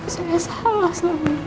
saya salah selama ini